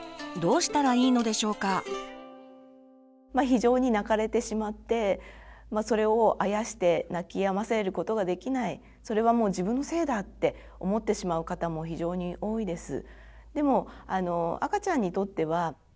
非常に泣かれてしまってそれをあやして泣きやませることができないそれはもう自分のせいだって思ってしまう方も非常に多いです。